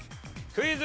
クイズ。